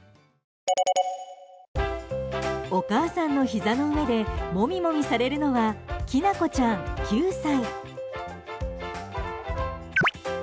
お母さんのひざの上でもみもみされるのはきなこちゃん、９歳。